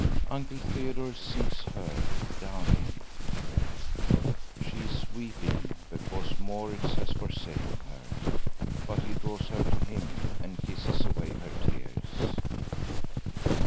Uncle Theodore sees her, Downie. She is weeping because Maurits has forsaken her. But he draws her to him and kisses away her tears.